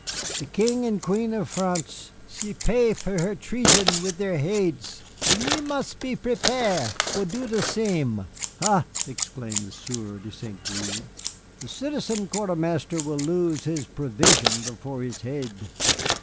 The King and Queen of France, she pay for her treason with their haids, and we must be prepare' for do the sem." "Ha," exclaimed the Sieur de St. Gré, "the Citizen Quartermaster will lose his provision before his haid."